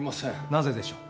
なぜでしょう？